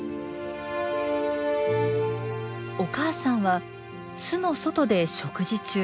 お母さんは巣の外で食事中。